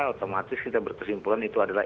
otomatis kita berkesimpulan itu adalah